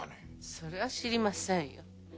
それは知りませんよ。